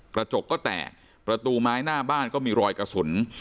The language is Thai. กระจกก็แตกประตูไม้หน้าบ้านก็มีรอยกระสุน